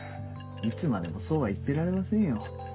いつまでもそうは言ってられませんよ。